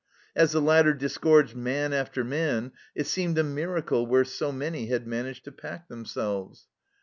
As the ladder disgorged man after man it seemed a miracle where so many had managed to pack themselves.